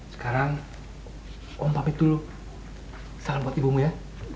jangan kasih tau ibumu ya